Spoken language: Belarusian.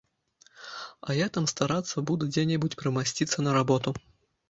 А я там старацца буду дзе-небудзь прымасціцца на работу.